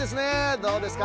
どうですか？